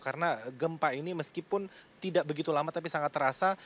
karena gempa ini meskipun tidak begitu lama tapi sangat terasa